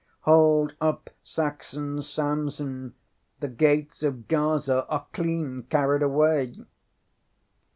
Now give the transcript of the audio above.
Hold up, Saxon Samson, the gates of Gaza are clean carried away!